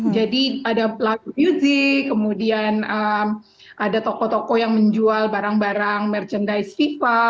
jadi ada pelaku musik kemudian ada toko toko yang menjual barang barang merchandise fifa